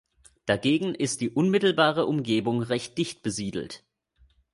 Dagegen ist die unmittelbare Umgebung recht dicht besiedelt.